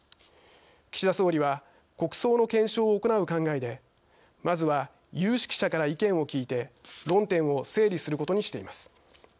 岸田総理は国葬の検証を行う考えでまずは、有識者から意見を聞いて論点を整理することにしています。